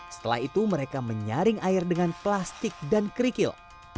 setelah itu mereka menyaring air dengan plastik dan kerikil